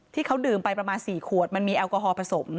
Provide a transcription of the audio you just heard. ที่เขาดื่มไปประมาณ๔ขวดมันมีแอลกอฮอลผสม